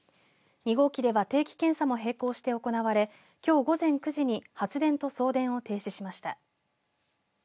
２号機では定期検査も並行して行われ、きょう午前９時に発電と送電を停止しました。